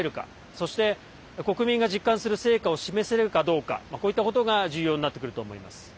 そして、国民が実感する成果を示せるかどうかこういったことが重要になってくると思います。